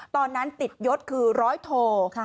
ตอนนั้นติดยศคือร้อยโท